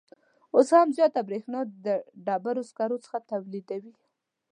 اوس هم زیاته بریښنا د ډبروسکرو څخه تولیدوي